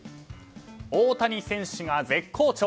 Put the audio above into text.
大谷選手が絶好調！